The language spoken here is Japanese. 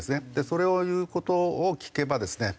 それを言う事を聞けばですね